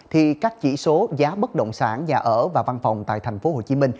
thì các chỉ số giá bất động sản nhà ở và văn phòng tại tp hcm